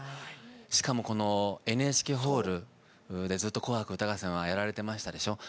しかも、ＮＨＫホールでずっと「紅白歌合戦」はやられてましたでしょ。